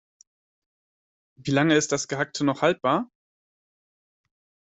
Wie lange ist das Gehackte noch haltbar?